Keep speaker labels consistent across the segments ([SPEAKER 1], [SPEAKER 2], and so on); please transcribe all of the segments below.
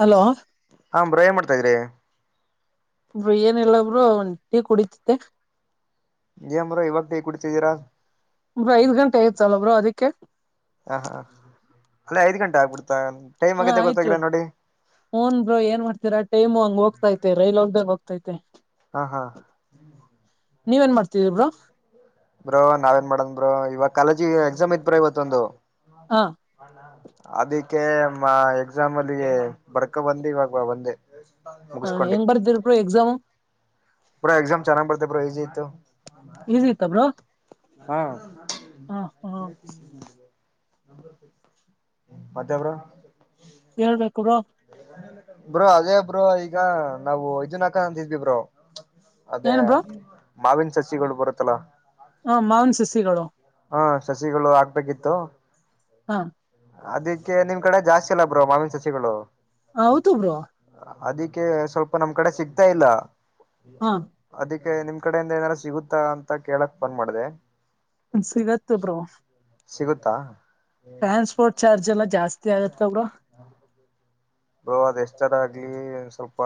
[SPEAKER 1] Hello
[SPEAKER 2] ಹಾ bro ಏನ್ ಮಾಡ್ತಾ ಇದ್ರಿ.
[SPEAKER 1] ಬ ಏನ ಇಲ್ಲ ಬ್ರೋ ಟೀ ಕುಡಿತ್ತಿದೆ.
[SPEAKER 2] ಏನ್ ಬ್ರೋ ಇವಾಗ ಟೀ ಕುಡ್ತಿದ್ದೀರಾ.
[SPEAKER 1] ಬ್ರೋ ಐದ ಗಂಟೆ ಆಯ್ತಲ್ಲ ಬ್ರೋ ಅದಕ್ಕೆ.
[SPEAKER 2] ಹ ಹಾ ಅಲ್ಲೇ ಐದ್ ಗಂಟೆ ಆಗ್ಬಿಡ್ತಾ ಟೈಮ್ ಆಗದೆ ಗೊತ್ತಾಗಿಲ್ಲ ನೋಡಿ.
[SPEAKER 1] ಹುನ್ ಬ್ರೋ ಏನ್ ಮಾಡ್ತೀರಾ ಟೈಮ್ ಹಂಗ್ ಹೋಗ್ತ್ಯಾತೆ ರೈಲ್ ಹೋಗದ್ದಾಗ ಹೋಗ್ತೈತೆ.
[SPEAKER 2] ಹಾ ಹಾ
[SPEAKER 1] ನೀವ ಏನ್ ಮಾಡ್ತೀತ್ತಿದೀರಾ ಬ್ರೋ.
[SPEAKER 2] ಬ್ರೋ ನಾವೆನ್ ಮಾಡನ್ ಬ್ರೋ ಇವಾಗ ಕಾಲೇಜಿಗ ಎಕ್ಸಾಮ್ ಇತ್ ಬ್ರ ಇವತ್ತೊಂದು.
[SPEAKER 1] ಹಾ
[SPEAKER 2] ಅದಕ್ಕೆ ಎಕ್ಸಾಮ್ ಅಲ್ಲಿ ಬರ್ಕೊ ಬಂದ ಇವಾಗ ಬಂದೆ.
[SPEAKER 1] ಹಾ
[SPEAKER 2] ಮುಗಿಸ್ಕೊಂಡಿ
[SPEAKER 1] ಹೆಂಗ್ ಬರ್ದಿರ ಬ್ರೋ ಎಕ್ಸಾಮು.
[SPEAKER 2] ಬ್ರೋ ಎಕ್ಸಾಮ್ ಚೆನ್ನಾಗಿ ಬರ್ದೇ ಈಜಿ ಇತ್ತು
[SPEAKER 1] ಈಸಿ ಇತ್ತ ಬ್ರೋ
[SPEAKER 2] ಹಾ.
[SPEAKER 1] ಹಾ ಹಾ
[SPEAKER 2] ಮತ್ತೆ ಬ್ರೋ.
[SPEAKER 1] ಹೇಳ್ಬೇಕು ಬ್ರೋ.
[SPEAKER 2] ಬ್ರೋ ಅದೇ ಬ್ರೋ ಈಗ ನಾವು ಇದುನಕ ಅಂತಿದ್ವಿ ಬ್ರೋ. ಅದೇ
[SPEAKER 1] ಏನ್ ಬ್ರೋ
[SPEAKER 2] ಮಾವಿನ ಸಸಿಗಳು ಬರುತ್ತಲಾ.
[SPEAKER 1] ಹ ಮಾವನ್ ಸಸಿಗಳು.
[SPEAKER 2] ಹಾ ಸಸಿಗಳು ಆಗ್ಬೇಕಿತ್ತು.
[SPEAKER 1] ಹಾ
[SPEAKER 2] ಅದಿಕ್ಕೆ ನಿಮ್ ಕಡೆ ಜಾಸ್ತಿ ಅಲ್ಲ ಬ್ರೋ ಮಾವಿನ ಸಸಿಗಳು.
[SPEAKER 1] ಹೌದು ಬ್ರೋ.
[SPEAKER 2] ಅದಕ್ಕೆ ಸ್ವಲ್ಪ ನಮ್ ಕಡೆ ಸಿಗ್ತಾ ಇಲ್ಲ.
[SPEAKER 1] ಹಾ
[SPEAKER 2] ಅದಿಕ್ಕೆ ನಿಮ್ ಕಡೆಯಿಂದ ಏನಾರ ಸಿಗುತ್ತಾ ಅಂತ ಕೇಳಕ್ ಫೋನ್ ಮಾಡದೇ.
[SPEAKER 1] ಸಿಗತ್ ಬ್ರೋ.
[SPEAKER 2] ಸಿಗುತ್ತಾ.
[SPEAKER 1] ಟ್ರಾನ್ಸ್ಪೋರ್ಟ್ ಚಾರ್ಜ್ ಎಲ್ಲಾ ಜಾಸ್ತಿ ಆಗತ್ತಾ ಬ್ರೋ.
[SPEAKER 2] ಬೋ ಅದ ಎಷ್ಟರ ಆಗ್ಲಿ ಸ್ವಲ್ಪ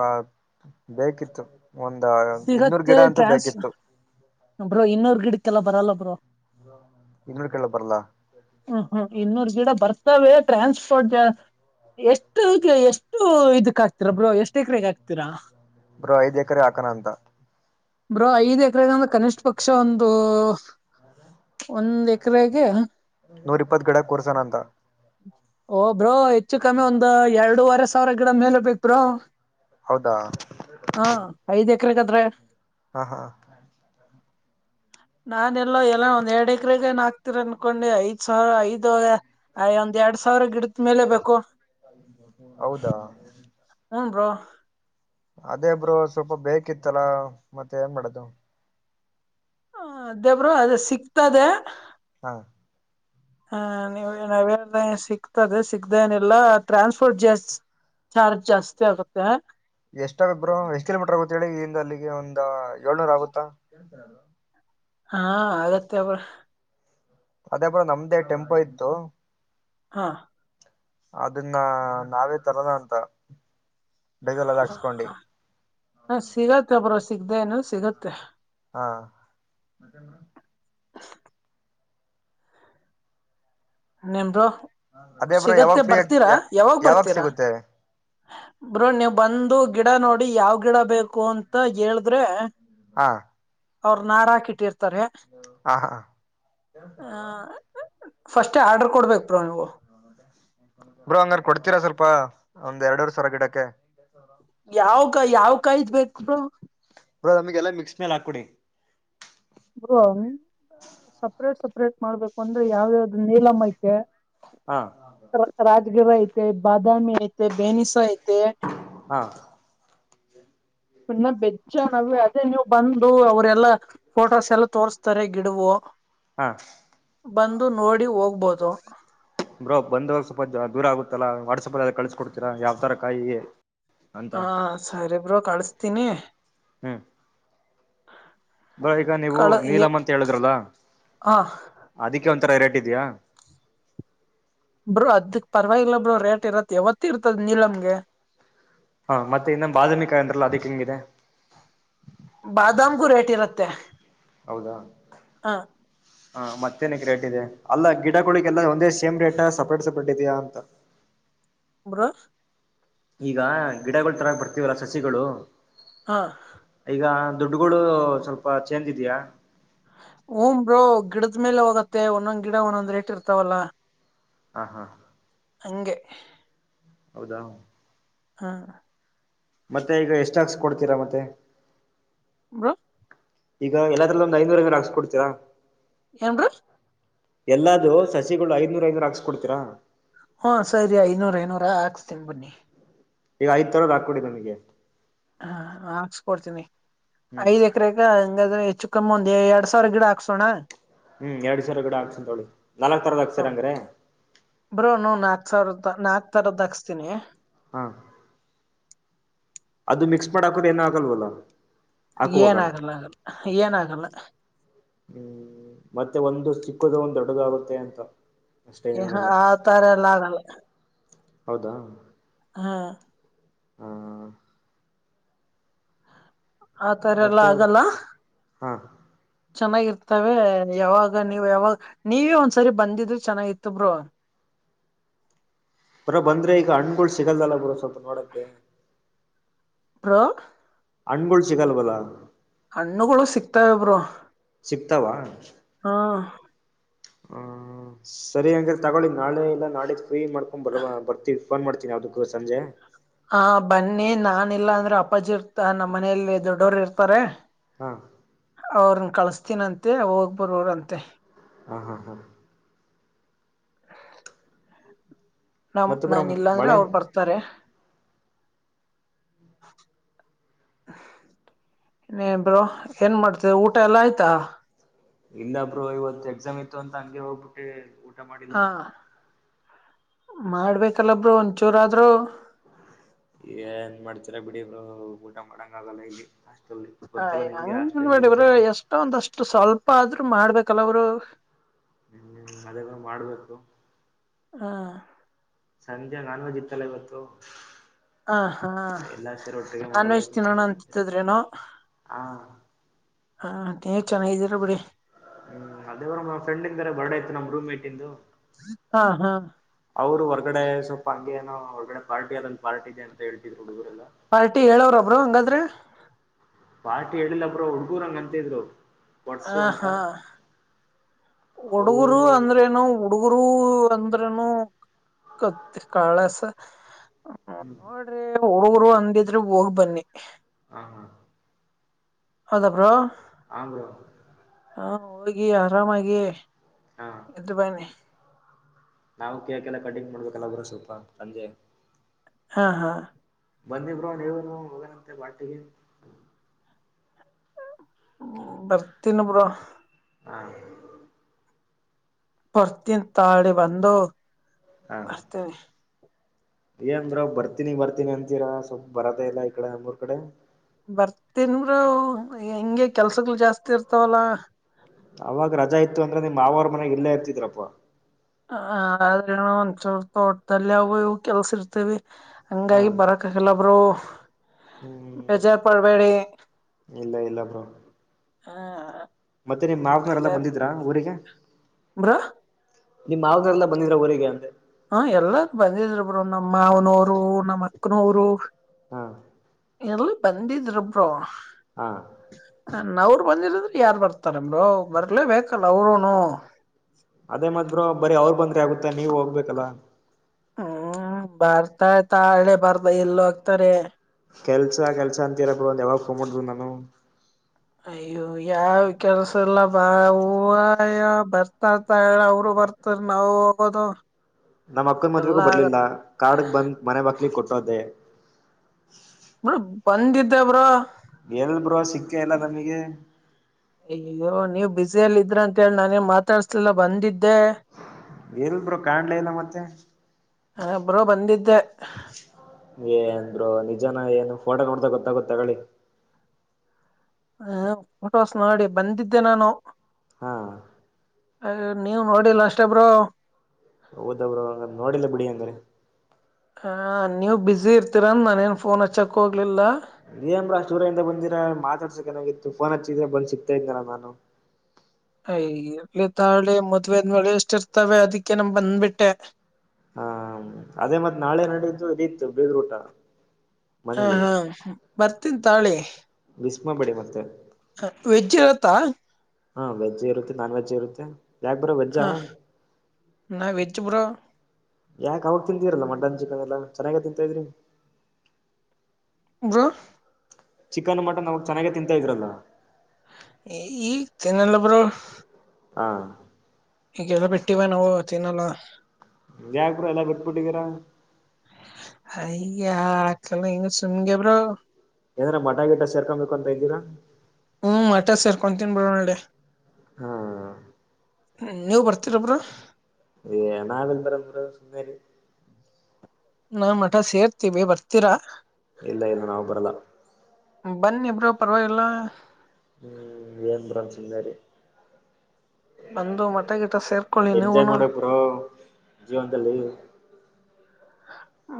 [SPEAKER 2] ಬೇಕಿತ್ತು. ಒಂದ ಇನ್ನೂರು
[SPEAKER 1] ಸಿಗತ್ತೆ
[SPEAKER 2] ಗಿಡ ಅಂತೂ
[SPEAKER 1] ಟ್ರಾನ್ಸ್
[SPEAKER 2] ಬೇಕಿತ್ತು.
[SPEAKER 1] ಬ್ರೋ ಇನ್ನೂರ್ ಗಿಡಕ್ಕೆಲ್ಲ ಬರಲ್ಲ ಬ್ರೋ.
[SPEAKER 2] ಇನ್ನೂರು ಕೇಳ ಬರ್ಲ್ಲಾ.
[SPEAKER 1] ಹ್ಮ್ ಹ್ಮ್ ಇನ್ನೂರ್ ಗಿಡ ಬರ್ತವೆ ಟ್ರಾನ್ಸ್ಪೋರ್ಟ್ ಎಷ್ಟು ಎಷ್ಟು ಇದಕ್ ಆಕ್ತೀರ ಬ್ರೋ ಎಷ್ಟು ಎಕರೆಗೆ ಹಾಕ್ತೀರಾ.
[SPEAKER 2] ಬ್ರೋ ಐದ್ ಎಕರೆ ಹಾಕಣ ಅಂತ.
[SPEAKER 1] ಬ್ರೋ ಐದ್ ಎಕರೆಗೆ ಅಂದ್ರೆ ಕನಿಷ್ ಪಕ್ಷ ಒಂದು ಒಂದ್ ಎಕರೆಗೆ
[SPEAKER 2] ನೂರ್ ಇಪ್ಪತ್ ಕಡೆ ಕೂರ್ಸನ ಅಂತ.
[SPEAKER 1] ಓ ಬ್ರೋ ಹೆಚ್ಚು ಕಮ್ಮಿ ಒಂದ್ ಎರಡೂವರೆ ಸಾವಿರ ಗಿಡ ಮೇಲೆ ಬೇಕ ಬ್ರೋ.
[SPEAKER 2] ಹೌದಾ.
[SPEAKER 1] ಹಾ ಐದ್ ಎಕ್ರೆಗಂದ್ರೆ
[SPEAKER 2] ಹಾ ಹಾ
[SPEAKER 1] ನಾನ ಎಲ್ಲೋ ಎಲ್ ಒಂದ್ ಎರಡ್ ಎಕರೆಗೆನ್ ಹಾಕ್ತಿರ ಅನ್ಕೊಂಡೆ ಐದ್ ಸಾವಿರ ಐದು ವರೆ ಅಯ ಒಂದ್ ಎರಡ್ ಸಾವ್ರ ಗಿಡದ ಮೇಲೆ ಬೇಕು.
[SPEAKER 2] ಹೌದಾ
[SPEAKER 1] ಹ್ಮ್ ಬ್ರೋ.
[SPEAKER 2] ಅದೇ ಬ್ರೋ ಸ್ವಲ್ಪ ಬೇಕಿತ್ತಲ್ಲಾ ಮತ್ತೆ ಏನ್ ಮಾಡೋದು.
[SPEAKER 1] ಹ ದೇಬ್ರು ಅದು ಸಿಕ್ತದೆ.
[SPEAKER 2] ಹಾ
[SPEAKER 1] ಹ ನಿಮ್ಗ ಏನ್ ಅವೆನ್ ಸಿಗ್ತದೆ ಸಿಗ್ದೆ ಏನಿಲ್ಲ ಟ್ರಾನ್ಸ್ಪೋರ್ಟ್ ಜಾರ್ಜ ಚಾರ್ಜ್ ಜಾಸ್ತಿ ಆಗುತ್ತೆ.
[SPEAKER 2] ಎಷ್ಟ ಆಗತ್ ಬ್ರೋ ಎಷ್ಟ್ ಕಿಲೋಮೀಟರ್ ಆಗುತ್ತೆ ಹೇಳಿ ಇಲ್ಲಿಂದ ಅಲ್ಲಿಗೆ ಒಂದ ಏಳ್ನೂರ ಆಗುತ್ತಾ?
[SPEAKER 1] ಹಾ ಆಗತ್ತೆ ಬ್ರೋ.
[SPEAKER 2] ಅದೇ ಬ್ರೋ ನಮ್ದೇ ಟೆಂಪೋ ಇತ್ತು.
[SPEAKER 1] ಹಾ
[SPEAKER 2] ಅದನ್ನ ನಾವೇ ತರೋದ ಅಂತಾ.
[SPEAKER 1] ಹ ಹ ಹಾ ಸಿಗತ್ತೆ ಬ್ರೋ ಸಿಗ್ದೇ ಏನ ಇಲ್ಲ ಸಿಗತ್ತೆ.
[SPEAKER 2] ಹಾ
[SPEAKER 1] [unintelligible] ಇನ್ನೇನ್ ಬ್ರೋ.
[SPEAKER 2] ಅದೇ ಬ್ರೋ ಯಾವಾಗ
[SPEAKER 1] ಸಿಗತ್ತೆ
[SPEAKER 2] ಫ್ರೀ
[SPEAKER 1] ಬರ್ತೀರಾ
[SPEAKER 2] ಆಗ್ತೀಯಾ
[SPEAKER 1] ಯಾವಾಗ್
[SPEAKER 2] ಯಾವಾಗ
[SPEAKER 1] ಬರ್ತೀರಾ
[SPEAKER 2] ಸಿಗುತ್ತೆ?
[SPEAKER 1] ಬ್ರೋ ನೀವು ಬಂದು ಗಿಡ ನೋಡಿ ಯಾವ್ ಗಿಡ ಬೇಕು ಅಂತ ಹೇಳಿದ್ರೆ
[SPEAKER 2] ಹಾ
[SPEAKER 1] ಅವ್ರ ನಾರಾ ಹಾಕಿಟ್ಟಿರ್ತಾರೆ
[SPEAKER 2] ಹ ಹಾ
[SPEAKER 1] ಆ ಫಸ್ಟೇ ಆರ್ಡರ್ ಕೊಡ್ಬೇಕ ಬ್ರೋ ನೀವು.
[SPEAKER 2] ಬ್ರೋ ಹಂಗಾರ ಕೊಡ್ತೀರಾ ಸ್ವಲ್ಪ ಒಂದ್ ಎರಡೂವರೆ ಸಾವ್ರ ಗಿಡಕ್ಕೆ.
[SPEAKER 1] ಯಾವ ಕ ಯಾವ್ ಕಾಯ ಇದ್ ಬೇಕು?
[SPEAKER 2] ಬ್ರೋ ನಮಗೆಲ್ಲ ಮಿಕ್ಸ್ ಮ್ಯಾಲ ಹಾಕೊಡಿ.
[SPEAKER 1] ಬ್ರೋ ಸಪ್ರೇಟ್ ಸಪ್ರೇಟ್ ಮಾಡ್ಬೇಕು ಅಂದ್ರೆ ಯಾವ್ದ ಯಾವ್ದು ನೀಲಮ್ಮ ಐತೆ.
[SPEAKER 2] ಹಾ
[SPEAKER 1] ರಾಜಗಿರ ಐತೆ ಬಾದಾಮಿ ಐತೆ ಬೇನಿಸ ಐತೆ.
[SPEAKER 2] ಹಾ
[SPEAKER 1] ಇನ್ನ ಬೆಚ್ಚ ನಾವ್ ಅದೇ ನೀವ ಬಂದು ಅವರೆಲ್ಲಾ ಫೋಟೋಸ್ ಎಲ್ಲ ತೋರ್ಸ್ತಾರೆ ಗಿಡವು.
[SPEAKER 2] ಹಾ
[SPEAKER 1] ಬಂದು ನೋಡಿ ಹೋಗ್ಬೋದು.
[SPEAKER 2] ಬ್ರೋ ಬಂದು ಸ್ವಲ್ಪ ದು ದೂರ ಆಗುತ್ತಲ್ಲಾ ವಾಟ್ಸಪ ಅಲ್ಲಿ ಕಳ್ಸ ಕೊಡ್ತೀರಾ ಯಾವ್ ತರಾ ಕಾಯಿ ಅಂತ
[SPEAKER 1] ಹ ಸರಿ ಬ್ರೋ ಕಳಿಸ್ತೀನಿ.
[SPEAKER 2] ಹ್ಮ್ ಬ್ರೋ ಈಗ ನೀವು
[SPEAKER 1] ಕಳ
[SPEAKER 2] ನೀಲಮ ಅಂತ ಹೇಳಿದ್ರಲ್ಲ
[SPEAKER 1] ಹ
[SPEAKER 2] ಅದಕ್ಕೆ ಒಂಥರ ರೇಟ್ ಇದೆಯಾ?
[SPEAKER 1] ಬ್ರೋ ಅದಕ್ ಪರವಾಗಿಲ್ಲ ಬ್ರೋ ರೇಟ್ ಇರತ್ ಯಾವತ್ತ ಇರ್ತದ ನೀಲಮ್ಗೆ.
[SPEAKER 2] ಹಾ ಮತ್ತೆ ಇನ್ನ ಬಾಳ ದಿನಕ್ಕ ಅಂದ್ರಲ್ಲ ಅದಕ್ ಹೆಂಗಿದೆ. [unintelligible]
[SPEAKER 1] ಬಾದಾಮಗೂ ರೇಟ್ ಇರುತ್ತೆ. [unintelligible]
[SPEAKER 2] ಹೌದಾ? [unintelligible]
[SPEAKER 1] ಆ [unintelligible]
[SPEAKER 2] ಹಾ ಮತ್ತೇನಕ್ಕೆ ರೇಟ್ ಇದೆ ಅಲ್ಲ ಗಿಡಗಳಿಗೆಲ್ಲ ಒಂದೇ ಸೇಮ್ ರೇಟ್ ಸಪ್ರೇಟ್ ಸಪ್ರೇಟ್ ಇದೆಯಾ ಅಂತ. [unintelligible]
[SPEAKER 1] ಬ್ರೋ. [unintelligible]
[SPEAKER 2] ಈಗ ಗಿಡಗಳು ತರಾಕ ಬರ್ತೀವಲ್ಲಾ ಸಸಿಗಳು. [unintelligible]
[SPEAKER 1] ಹಾ. [unintelligible]
[SPEAKER 2] ಈಗ ದುಡ್ಡುಗಳು ಸ್ವಲ್ಪ ಚೇಂಜ್ ಇದೆಯಾ? [unintelligible]
[SPEAKER 1] ಹುನ್ ಬ್ರೋ ಗಿಡದ ಮೇಲೆ ಹೋಗತ್ತೆ ಒಂದೊಂದ್ ಗಿಡ ಒಂದೊಂದ್ ರೇಟ್ ಇರ್ತಾವಲ್ಲ? [unintelligible]
[SPEAKER 2] ಆ ಹಾ. [unintelligible]
[SPEAKER 1] ಹಂಗೆ? [unintelligible]
[SPEAKER 2] ಹೌದಾ? [unintelligible]
[SPEAKER 1] ಹಾ. [unintelligible]
[SPEAKER 2] ಮತ್ತೆ ಈಗ ಎಷ್ಟ ಹಾಕಸ ಕೊಡ್ತೀರಾ ಮತ್ತೆ? [unintelligible]
[SPEAKER 1] ಮಾ. [unintelligible]
[SPEAKER 2] ಈಗ ಎಲ್ಲಾದರ ಅಲ್ಲೂ ಒಂದ ಐದನೂರಗರ್ ಹಾಕಸಕೊಡ್ತೀರಾ? [unintelligible]
[SPEAKER 1] ಹೆಂಗ್? [unintelligible]
[SPEAKER 2] ಎಲ್ಲಾದೂ ಸಸಿಗಳು ಐದನೂರ ಐದನೂರು ಹಾಕಸ್ಕ ಕೊಡ್ತೀರಾ? [unintelligible]
[SPEAKER 1] ಹಾ ಸರಿ ಐದನೂರ ಐದನೂರ ಹಾಕ್ಸ್ತೀನಿ ಬನ್ನಿ. [unintelligible]
[SPEAKER 2] ಈಗ ಐದ ತರದ ಹಾಕ ಕೊಡಿ ನಮಗೆ. [unintelligible]
[SPEAKER 1] ಹಾ ಹಾಕಸಕೋಡ್ತೀನಿ
[SPEAKER 2] ಹ್ಮ್
[SPEAKER 1] ಐದರ [unintelligible] ದ ಹಂಗಾದ್ರೆ ಹೆಚ್ಚು ಕಮ್ಮಿ ಒಂದ ಎರಡ್ ಸಾವಿರ ಗಿಡ ಹಾಕ್ಸೋನಾ? [unintelligible]
[SPEAKER 2] ಹೂ ಎರಡ್ ಸಾವಿರ ಗಿಡ ಹಾಕಸ್ತನಿ ತೊಗೊಳಿ ನಾಲ್ಕ ತರ
[SPEAKER 1] ಹ
[SPEAKER 2] ಹಾಕ್ಸರಂಗೆ. [unintelligible]
[SPEAKER 1] ಬ್ರೋ ನೋ ನಾಕ್ ಸಾವಿರದ ನಾಕ್ ತರದ ಹಾಕ್ಸ್ತೀನಿ. [unintelligible]
[SPEAKER 2] ಹಾ. [unintelligible] ಅದು ಮಿಕ್ಸ್ ಮಾಡ ಹಾಕೋದ ಏನು ಆಗಲ್ವಲ್ಲ. [unintelligible] ಹಾಕುವಾಗ
[SPEAKER 1] ಏನಾಗಲ್ಲ ಆಗಲ್ಲ ಏನ ಆಗಲ್ಲ. [unintelligible]
[SPEAKER 2] ಹೂ ಮತ್ತೆ ಒಂದು ಚಿಕ್ಕದು ಒಂದ ದೊಡ್ಡದು ಆಗುತ್ತೆ ಅಂತ. [unintelligible] ಅಷ್ಟೇ ಏನ್ ಇರಲ್ಲ
[SPEAKER 1] ಆತರ ಎಲ್ಲ ಆಗಲ್ಲ
[SPEAKER 2] ಹೌದಾ? [unintelligible]
[SPEAKER 1] ಹಾ. [unintelligible]
[SPEAKER 2] ಹಾ. [unintelligible]
[SPEAKER 1] ಆತರ ಎಲ್ಲಾ
[SPEAKER 2] ಮತ್ತೆ
[SPEAKER 1] ಆಗಲ್ಲ. [unintelligible]
[SPEAKER 2] ಹಾ
[SPEAKER 1] ಚೆನ್ನಾಗ ಇರ್ತವೆ ಯಾವಾಗ ನೀವು ಯಾವಾಗ? [unintelligible] ನೀವೇ ಒಂದ್ಸರಿ ಬಂದಿದ್ರರ ಚೆನ್ನಾಗಿತ್ತು ಬ್ರೋ. [unintelligible]
[SPEAKER 2] ಬ್ರೋ ಬಂದ್ರೆ ಈಗ ಹಣ್ಣುಗಳು ಸಿಗೋಲ್ಲ ಅಲ್ಲ ಬ್ರೋ ಸ್ವಲ್ಪ ನೋಡಕ್ಕೆ. [unintelligible]
[SPEAKER 1] ಬ್ರೋ. [unintelligible]
[SPEAKER 2] ಹಣ್ಣುಗಳು ಸಿಗೋಲವ್ವ. [unintelligible]
[SPEAKER 1] ಹಣ್ಣುಗಳು ಸಿಕ್ಕತಾವೇ ಬ್ರೋ. [unintelligible]
[SPEAKER 2] ಸಿಕ್ಕತಾವ? [unintelligible]
[SPEAKER 1] ಹಾ. [unintelligible]
[SPEAKER 2] ಹ ಸರಿ ಹಾಗಿದ್ರ ತಗೊಳ್ಳಿ ನಾಳೆ ಇಲ್ಲ ನಾಳೆದ ಫ್ರೀ ಮಾಡ್ಕೊಂಡ್ ಬರುದಾದರ ಬರ್ತೀವಿ. [unintelligible] ಫೋನ್ ಮಾಡ್ತೀನಿ ಅದಕ್ಕೂ ಸಂಜೆ. [unintelligible]
[SPEAKER 1] ಹ ಬನ್ನಿ ನಾನ ಇಲ್ಲಾ ಅಂದ್ರೆ ಅಪ್ಪಾಜಿ ಇರ್ತ ನಮ್ಮ ಮನೇಲಿ ದೊಡ್ಡೋರು ಇರ್ತಾರೆ. [unintelligible]
[SPEAKER 2] ಹಾ. [unintelligible]
[SPEAKER 1] ಅವ್ರನ್ನ ಕಳಸ್ತನಂತೆ ಹೋಗ್ ಬರೋರಂತೆ
[SPEAKER 2] ಹಾ ಹಾ ಹಾ
[SPEAKER 1] ನಮ
[SPEAKER 2] ಮತ್ತೆ ಬ್ರೋ
[SPEAKER 1] ನಾನ್ ಇಲ್ಲಾಂದ್ರೆ
[SPEAKER 2] ಮಳೆ
[SPEAKER 1] ಅವರು ಬರ್ತಾರೆ ಇನೆನ್ ಬ್ರೋ ಏನ್ ಮಾಡ್ತಿದೆ ಊಟ ಎಲ್ಲ ಆಯ್ತಾ
[SPEAKER 2] ಇಲ್ಲ ಬ್ರೋ ಇವತ್ತು ಎಕ್ಸಾಮ್ ಇತ್ತು ಅಂತ ಹಂಗೆ ಹೋಗ್ಬಿಟ್ಟಿ
[SPEAKER 1] ಹಾ ಮಾಡ್ಬೇಕಲ್ಲ ಬ್ರೋ ಒಂದ್ ಚೂರ ಆದ್ರು
[SPEAKER 2] ಈ ಏನ್ ಮಾಡ್ತರ ಬಿಡಿ ಊಟಂಗ ಮಾಡಿದಂಗ ಆಗಲ್ಲ ಇಲ್ಲಿ ಅ
[SPEAKER 1] ಹ ಹಂಗ ಮಾಡಿದ್ರ ಎಷ್ಟೊಂದಷ್ಟು ಸ್ವಲ್ಪ ಆದ್ರು ಮಾಡ್ಬೇಕಲ್ಲ ಅವರು
[SPEAKER 2] ಹ ಅದ ಮಾಡ್ಬೇಕು
[SPEAKER 1] ಹಾ
[SPEAKER 2] ಸಂಜೆ ನಾನ್ವೆಜ್ ಇತ್ತಲ್ಲ ಇವತ್ತು
[SPEAKER 1] ಹ ಹಾ
[SPEAKER 2] ಎಲ್ಲಾ ಸೇರಿ ಒಟ್ಟಿಗೆ
[SPEAKER 1] ನಾನ್ವೆಜ್
[SPEAKER 2] ಮಾಡ್ಬೇಕು
[SPEAKER 1] ತಿನ್ನೋಣ
[SPEAKER 2] ಸುಮ್ನೆ ಅದೇ
[SPEAKER 1] ಅಂತ್ತಿದ್ರೇನೋ
[SPEAKER 2] ಹಾ
[SPEAKER 1] ಹ ನೀವ್ ಚೆನ್ನಗಿದ್ದೀರ ಬಿಡಿ
[SPEAKER 2] ಹ್ಮ್ ಅದೇವ ನಮ್ಮ ಫ್ರೆಂದ ಬರ್ಡೇ ಇತ್ತು ನಮ್ಮ್ ರೂಮ್ಮೆಟ್ ಇಂದು
[SPEAKER 1] ಹಾ ಹಾ
[SPEAKER 2] ಅವ್ರು ಹೊರ್ಗಡೆ ಸ್ವಲ್ಪ ಹಂಗೆೇಏನೋ ಹೊರ್ಗಡೆ ಪಾರ್ಟಿ ಅದ್ ಪಾರ್ಟಿ ಇದೆ ಅಂತ ಹೇಳ್ತಿದ್ರು ಹುಡುಗುರೆಲ್ಲ
[SPEAKER 1] ಪಾರ್ಟಿ ಹೇಳವ್ರಬ್ರು ಹಂಗಾದ್ರೆ
[SPEAKER 2] ಪಾರ್ಟಿ ಹೇಳಿಲ್ಲ ಬ್ರೋ ಹುಡ್ಗೂರು ಹಂಗ ಅಂತಿದ್ರು
[SPEAKER 1] ಹ
[SPEAKER 2] ಕೊಡ್ಸು ಅಂತ
[SPEAKER 1] ಹಾ ಹುಡುಗರು
[SPEAKER 2] ಅವರು
[SPEAKER 1] ಅಂದ್ರೇನು ಹುಡುಗರು ಅಂದ್ರನು ಕತ್ತ ಕಾಳಸ [unintelligible]
[SPEAKER 2] ಹ್ಮ್
[SPEAKER 1] ನಡ್ರಿ ಹುಡುಗರು ಅಂದಿದ್ರೆ ಹೋಗ್ ಬನ್ನಿ
[SPEAKER 2] ಹಾ ಹಾ
[SPEAKER 1] ಹೌದ ಬ್ರೋ
[SPEAKER 2] ಹಾ ಬ್ರೋ
[SPEAKER 1] ಹಾ ಹೋಗಿ ಆರಾಮಾಗಿ
[SPEAKER 2] ಹಾ
[SPEAKER 1] ಇದು ಬನ್ನಿ
[SPEAKER 2] ನಾವು ಕೇಳಕೆಲ್ಲ ಕಟಿಂಗ್ ಮಾಡ್ಬೇಕಲ್ಲ ಬ್ರೋ ಸ್ವಲ್ಪ ಸಂಜೆ
[SPEAKER 1] ಹಾ ಹಾ
[SPEAKER 2] ಬನ್ನಿ ಬ್ರೋ ನೀವು [unintelligible] ಪಾರ್ಟಿಗೆ
[SPEAKER 1] ಬರ್ತೀನಿ ಬ್ರೋ
[SPEAKER 2] ಹಾ
[SPEAKER 1] ಬರ್ತೀನಿ ತಾಳಿ ಬಂದು
[SPEAKER 2] ಹಾ
[SPEAKER 1] [unintelligible]
[SPEAKER 2] ಏನ ಬ್ರೋ ಬರ್ತೀನಿ ಬರ್ತೀನಿ ಅಂತೀರಾ ಸ್ವಲ್ಪ ಬರದೆ ಇಲ್ಲ ಈ ಕಡೆ ನಮ್ಮೂರ್ ಕಡೆ
[SPEAKER 1] ಬರ್ತೀನಿ ಬ್ರೋ ಹಿಂಗೆ ಕೆಲ್ಸಗಳು ಜಾಸ್ತಿ ಇರ್ತಾವಲ್ಲ
[SPEAKER 2] ಅವಾಗ ರಜಾ ಇತ್ತು ಅಂದ್ರೆ ನಿಮ್ ಮಾವರ್ ಮನೆಗ್ ಇಲ್ಲೇ ಇರ್ತಿದ್ರಪ್ಪಾ
[SPEAKER 1] ಹ ಆದ್ರೆ [unintelligible] ತೋಟದಲ್ಲಿ ಅವು ಇವು ಕೆಲ್ಸ ಇರ್ತೇವಿ
[SPEAKER 2] ಹಾ
[SPEAKER 1] ಹಂಗಾಗಿ ಬರಕ್ ಹಂಗಲ್ಲ ಬ್ರೋ
[SPEAKER 2] ಹ್ಮ್
[SPEAKER 1] ಬೇಜಾರ ಪಡ್ಬೇಡಿ
[SPEAKER 2] ಇಲ್ಲ ಇಲ್ಲ ಬ್ರೋ
[SPEAKER 1] ಹಾ [unintelligible]
[SPEAKER 2] ಮತ್ತೆ ನೀಮ್ ಮಾವನವರೆಲ್ಲ ಬಂದಿದ್ರಾ ಊರಿಗೆ
[SPEAKER 1] ಬ್ರೋ
[SPEAKER 2] ನಿಮ್ ಮಾವದಿರೆಲ್ಲ ಬಂದಿದ್ರ ಊರಿಗೆ ಅಂದೆ?
[SPEAKER 1] ಹ ಎಲ್ಲ ಬಂದಿದ್ರು ಬ್ರೋ ನಮ್ಮ ಮಾವನವರು ನಮ್ಮ್ ಅಕ್ಕನವರು
[SPEAKER 2] ಹಾ
[SPEAKER 1] [unintelligible]
[SPEAKER 2] ಹಾ
[SPEAKER 1] ನವಲಗುಂದ ರಿಂದ ಯಾರ್ ಬರ್ತಾರೊ ಬರ್ಲೇ ಬೇಕಲ್ಲಾ ಅವ್ರೂನು
[SPEAKER 2] ಅದೇ ಮತ್ತೆ ಬ್ರೋ ಬರೀ ಅವ್ರ ಬಂದ್ರೆ ಆಗುತ್ತೆ ನೀವು ಹೋಗ್ಬೇಕಲ್ಲಾ
[SPEAKER 1] ಹುಂ [unintelligible] ಬರ್ದ ಇಲ್ಲೇ ಇತ್ರಾರೆ
[SPEAKER 2] ಕೆಲ್ಸ ಕೆಲ್ಸ ಅಂತೀರಾ [unintelligible]
[SPEAKER 1] ಅಯ್ಯೋ ಯಾವ ಕೆಲಸ ಇಲ್ಲಾ ಬಾವ [unintelligible] ಅಯ್ಯೋ ಬರ್ತಾಇತಾರ ಅವರು ಬರ್ತಾರ ನಾವ ಹೋಗೋದು
[SPEAKER 2] ನಮ್ ಅಕ್ಕನ್ ಮದ್ವೆಗು
[SPEAKER 1] ಎಲ್ಲಾ ಆಗತ್
[SPEAKER 2] ಬರ್ಲಿಲ್ಲಾ ಕಾರ್ಡ್ ಬಂದ್ ಮನೆ ಬಾಗಕ್ಲೆ ಕೊಟ್ಟೊ ಹೋದ್ದೇ
[SPEAKER 1] ಬಂದ್ದಿದೆ ಬ್ರೋ
[SPEAKER 2] ಎಲ್ಲಿ ಬ್ರೋ ಸಿಕ್ಕೆ ಇಲ್ಲಾ ಬ್ರೋ ನಮಗೆ.
[SPEAKER 1] ಅಯ್ಯೋ ನೀವ್ ಬಿಜಿಯಲ್ಲಿ ಇದ್ರೆ ಅಂತೇಳಿ ನಾನ್ ಮಾತಾಡ್ಸಿಲ್ಲಾ ಬಂದಿದ್ದೆ.
[SPEAKER 2] ಎನ್ ಬ್ರೋ ಕಾಣಲೇ ಇಲ್ಲಾ ಮತ್ತೆ
[SPEAKER 1] ಆ ಬ್ರೋ ಬಂದಿದ್ದೆ
[SPEAKER 2] ಏನ್ ಬ್ರೋ ನಿಜಾನಾ ಏನು ಫೋಟೋ ನೋಡುದ್ರೆ ಗೊತ್ತಾಗುತ್ತೆ ತೊಗೊಳ್ಳಿ
[SPEAKER 1] ಹ ಫೋಟೋಸ್ ನೋಡಿ ಬಂದಿದ್ದೆ ನಾನು
[SPEAKER 2] ಹುಂ
[SPEAKER 1] ನೀವು ನೋಡಿಲ್ಲ ಅಷ್ಟೇ ಬ್ರೋ
[SPEAKER 2] ಹೋದ್ ನೋಡಿಲ್ಲಾ ಬಿಡಿ ಅಂಗಾರೆ
[SPEAKER 1] ಹಾ ನೀವು ಬಿಜಿ ಇರ್ತೀರಂದ ನಾನೇನ್ ಫೋನ್ ಹಚ್ಚಕ್ ಹೋಗ್ಲಿಲ್ಲಾ.
[SPEAKER 2] ಏನ್ ಬ್ರೋ ಅಷ್ಟ ದೂರದಿಂದ ಬಂದಿದರಾ ಮಾತಾಡ್ಸಕ್ನಾಗಿತ್ತು ಫೋನ್ ಹಚ್ಚಿದ್ರೆ ಬಂದ ಸಿಕ್ತಾ ಇದೇ ನಾನು
[SPEAKER 1] ಅಯ್ಯೋ ಇರ್ಲಿ ತೋಳಿ ಮದವೆ ಅಂದ ಮೇಲೇ ಎಷ್ಟಿ ಇರ್ತವ ಅದಕ್ಕೆ ನಾ ಬಂದ್ಬಿಟ್ಟೆ
[SPEAKER 2] ಹಾ ಅದೇ ಮತ್ತ್ ನಾಳೆ ನಾಡಿದ್ದು ರೀತ್ ಬೀಗರ ಊಟಾ
[SPEAKER 1] ಹ ಹಾ ಬರ್ತೀನ್ ತೋಳಿ
[SPEAKER 2] ಭಿಸ್ಮ ಬಿಡಿ ಮತ್ತೆ
[SPEAKER 1] ವೆಜ್ಜ್ ಇರತ್ತಾ,
[SPEAKER 2] ಹಾ ವೆಜ್ ಇರುತ್ತೆ ನಾನ್ ವೆಜ್ ಇರುತ್ತೆ ಯಾಕ್ ಬ್ರೋ ವೆಜಾ
[SPEAKER 1] ನಾವ ವಜ್ ಬ್ರೋ
[SPEAKER 2] ಯಾಕ ಅವಾಗ ತಿಂತಿರಲ್ಲಾ ಮಟನ್ ಚಿಕ್ಕನ್ ಎಲ್ಲಾ ಚೆನ್ನಾಗಿ ಐತಿಂತ ಹೇಳಿದ್ರಿ
[SPEAKER 1] [unintelligible]
[SPEAKER 2] ಚಿಕ್ಕನ್ ಮಟನ್ ಅವಾಗ ಚೆನ್ನಾಗಿ ಆಗಿ ತಿಂತಾ ಇದ್ರಲ್ಲಾ
[SPEAKER 1] ಈಗ ತಿನ್ನಲ್ಲಾ ಬ್ರೋ
[SPEAKER 2] ಹಾ
[SPEAKER 1] ಈಗೆಲ್ಲಾ ಬಿಟ್ಟಿವ ನಾವು ತಿನ್ನಲ್ಲಾ
[SPEAKER 2] ಇದ್ಯಾಕ ಬ್ರೋ ಎಲ್ಲ ಬಿಟ್ಟ ಬಿಟ್ಟಿದೀರಾ
[SPEAKER 1] ಹಯಗೆ ಆಕಲ್ಲ ಹಂಗೆ ಸುಮ್ಗೆ ಬ್ರೋ
[SPEAKER 2] ಏನಾರ ಮಠ ಗಿಟಾ ಸೇರ್ಕೊಬೇಕು ಅಂತ ಇದ್ದೀರಾ
[SPEAKER 1] ಹುಂ ಮಠಾ ಸೇರ್ಕೊಂಡತಿನ್ ಬ್ರೋ [unintelligible]
[SPEAKER 2] ಹುಂ
[SPEAKER 1] ನೀವು ಬರ್ತೀರಾ ಬ್ರೋ
[SPEAKER 2] [unintelligible]
[SPEAKER 1] ನಾವ ಮಠಾ ಸೇರ್ತಿವಿ ಬರ್ತೀರಾ
[SPEAKER 2] ಇಲ್ಲಾ ಇಲ್ಲಾ ನಾವು ಬರಲ್ಲಾ
[SPEAKER 1] ಬನ್ನಿ ಬ್ರೋ ಪರವಾಗಿಲ್ಲಾ
[SPEAKER 2] ಹೂ ಏನ್ ಬ್ರಾಂಚ್ ಚಿನಾರಿ. [unintelligible]
[SPEAKER 1] ಬಂದು ಮಠ ಗಿಟ ಸೇರ್ಕೊಳ್ಳಿ
[SPEAKER 2] ಎಂಜಾಯ್
[SPEAKER 1] ನೀವುನು
[SPEAKER 2] ಮಾಡ ಬೇಕ ಬ್ರೋ ಜೀವನದಲ್ಲಿ. [unintelligible]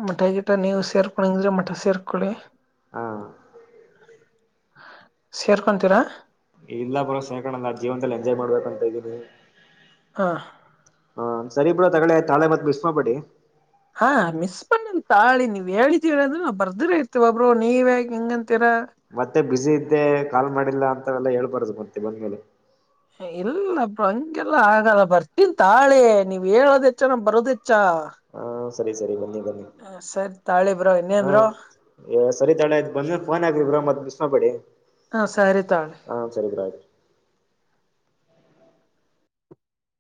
[SPEAKER 1] ಮಠ ಗಿಟ ನೀವು ಸೇರ್ಕೊಳ್ಳು ಹಂಗ ಇದ್ರೆ ಮಠ ಸೇರ್ಕೊಳ್ಳಳಿ. [unintelligible]
[SPEAKER 2] ಆ ಹಾ. [unintelligible]
[SPEAKER 1] ಸೇರ್ಕೊಂತೀರಾ? [unintelligible]
[SPEAKER 2] ಏನ್ ಇಲ್ಲ ಬ್ರೋ ಸ್ನಹಕಣ ನಾ ಜೀವನದಲ್ಲಿ ಎಂಜಾಯ್ ಮಾಡ್ಬೇಕ ಅಂತ ಇದ್ದೀನಿ. [unintelligible]
[SPEAKER 1] ಹಾ. [unintelligible]
[SPEAKER 2] ಹ ಸರಿ ಬ್ರೋ ತೊಗೊಳ್ಳಿ ಆಯ್ತ ನಾಳೆ ಬಂದ ಮಿಸ್ ಮಾಡಬೇಡಿ. [unintelligible]
[SPEAKER 1] ಹಾ ಮಿಸ್ ಬಣಂತ ತಾಳಿ ನೀವ್ ಹೇಳಿದೀವಿ ಅಂದ್ರೂ ನಾವು ಬರದನೇ ಇರ್ತೀವ ಬ್ರೋ ನೀವ ಏಕಾ ಹಿಂಗಂತೀರಾ? [unintelligible]
[SPEAKER 2] ಮತ್ತೆ ಬಿಸಿ ಇದ್ದೆ ಕಾಲ್ ಮಾಡಿಲ್ಲ ಅಂತವೆಲ್ಲಾ ಹೇಳಬಾರದು ಮತ್ತೆ ಬಂದ ಮೇಲೆ. [unintelligible]
[SPEAKER 1] ಇಲ್ಲ ಅಪ್ಪಾ ಹಂಗೆಲ್ಲಾ ಆಗಲ್ಲ ಬರ್ತೀನ್ ತಾಳೆ ನೀವ್ ಹೇಳೋದ ಹೆಚ್ಚ ನಾವ್ ಬರೋದ ಹೆಚ್ಚ. [unintelligible]
[SPEAKER 2] ಹಾ ಸರಿ ಸರಿ ಬನ್ನಿ ಬನ್ನಿ. [unintelligible]
[SPEAKER 1] ಹಾ ಸರಿ ತಾಳಿ ಬ್ರೋ ಇನ್ನೇನ್ ಬ್ರೋ? [unintelligible]
[SPEAKER 2] ಏ ಸರಿ ತೋಳಿ ಆಯ್ತ ಬಂದ ಮೇಲ್ ಪೋನ್ ಹಚ್ಚರಿ ಬ್ರೋ ಮತ್ತ ಮಿಸ್ ಮಾಡಬೇಡಿ. [unintelligible]
[SPEAKER 1] ಹಾ ಸರಿ ತಗೊಳ್ಳಿ. [unintelligible]
[SPEAKER 2] ಹಾ ಸರಿ ಬ್ರೋ ಆಯ್ತ. [unintelligible]